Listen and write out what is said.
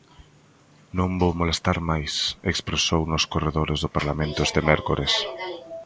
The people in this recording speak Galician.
"Non vou molestar máis", expresou nos corredores do Parlamento este mércores.